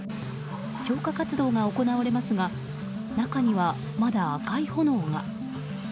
消火活動が行われますが中には、まだ赤い炎が。